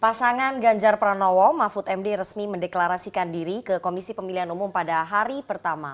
pasangan ganjar pranowo mahfud md resmi mendeklarasikan diri ke komisi pemilihan umum pada hari pertama